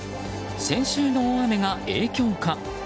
先週の大雨が影響か。